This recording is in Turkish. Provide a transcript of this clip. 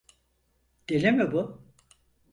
Deli mi bu?